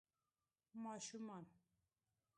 ماشومان